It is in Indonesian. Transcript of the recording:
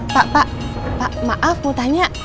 pak pak pak maaf mau tanya